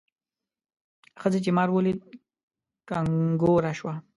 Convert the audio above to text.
ښځې چې مار ولید کنګوره شوه.